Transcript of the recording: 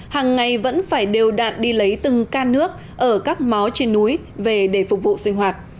hàng ngày vẫn phải đều đạn đi lấy từng can nước ở các mó trên núi về để phục vụ sinh hoạt